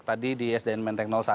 tadi di sdn menteng satu